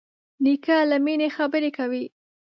نیکه له مینې خبرې کوي.